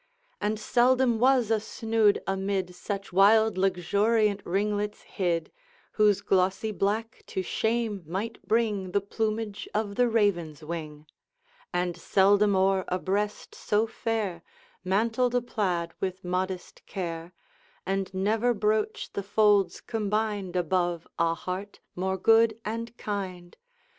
And seldom was a snood amid Such wild luxuriant ringlets hid, Whose glossy black to shame might bring The plumage of the raven's wing; And seldom o'er a breast so fair Mantled a plaid with modest care, And never brooch the folds combined Above a heart more good and kind.